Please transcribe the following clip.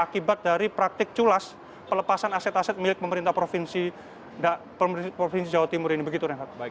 akibat dari praktik culas pelepasan aset aset milik pemerintah provinsi jawa timur ini